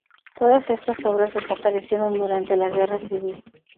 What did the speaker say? Todas estas obras desaparecieron durante la Guerra Civil.